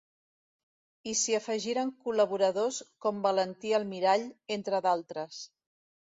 I s'hi afegiren col·laboradors com Valentí Almirall, entre d'altres.